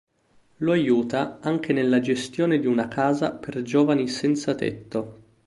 Lo aiuta anche nella gestione di una casa per giovani senzatetto.